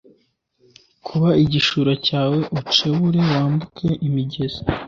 kuba igishura cyawe ucebure wambuke imigezi